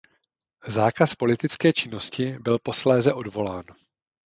Zákaz politické činnosti byl posléze odvolán.